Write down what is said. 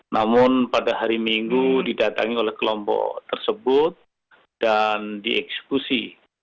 namun pada hari minggu didatangi oleh kelompok tersebut dan dieksekusi